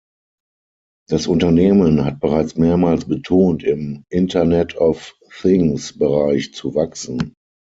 Das Unternehmen hat bereits mehrmals betont im IoT-Bereich zu wachsen.